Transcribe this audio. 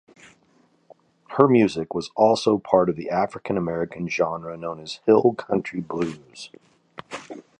His music was also part of the African-American genre known as Hill country blues.